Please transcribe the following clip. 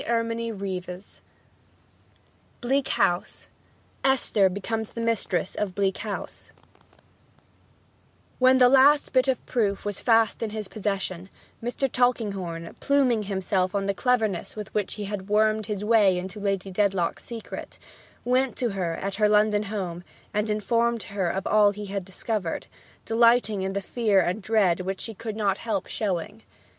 Little Joe was dead. IV ESTHER BECOMES THE MISTRESS OF BLEAK HOUSE When the last bit of proof was fast in his possession Mr. Tulkinghorn, pluming himself on the cleverness with which he had wormed his way into Lady Dedlock's secret, went to her at her London home and informed her of all he had discovered, delighting in the fear and dread which she could not help showing.